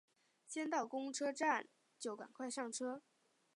先到公车站就赶快上车